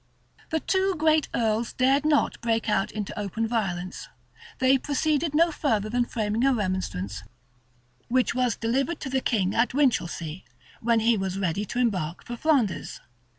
The two great earls dared not to break out into open violence: they proceeded no further than framing a remonstrance, which was delivered to the king at Winchelsea, when he was ready to embark for Flanders.